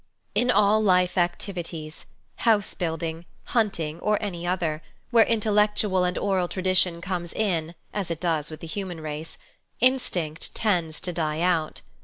In all life activities, house building, huntino or any other, where intellectual and oral tradition comes in, as it does with the human race, " instinct " tends to die out.